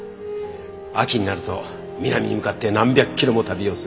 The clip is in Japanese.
秋になると南に向かって何百キロも旅をする。